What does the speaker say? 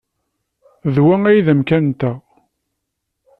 D wa ay d amkan-nteɣ.